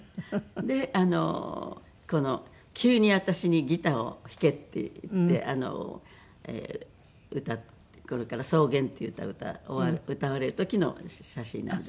でこの急に私に「ギターを弾け」って言ってこれから『草原』っていう歌を歌われる時の写真なんです。